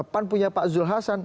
pan punya pak zul hasan